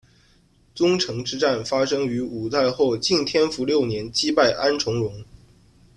宗城之战发生于五代后晋天福六年击败安重荣。